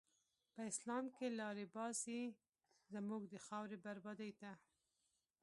په اسلام کی لاری باسی، زموږ د خاوری بربادی ته